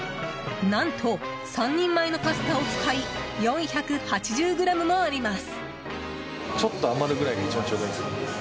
何と３人前のパスタを使い４８０ｇもあります。